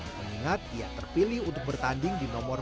mengingat ia terpilih untuk bertanding di nomor